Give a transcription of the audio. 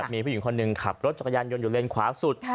มีผู้หญิงคนหนึ่งขับรถจักรยานยนต์อยู่เลนขวาสุด